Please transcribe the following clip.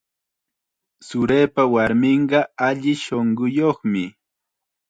Churiipa warminqa alli shunquyuqmi.